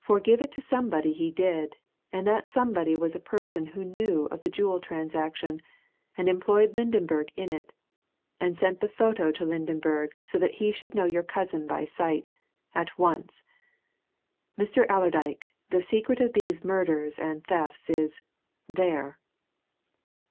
For give it to somebody he did, and that somebody was a person who knew of the jewel transaction, and employed Lydenberg in it, and sent the photo to Lydenberg so that he should know your cousin by sight at once. Mr. Allerdyke, the secret of these murders and thefts is there!"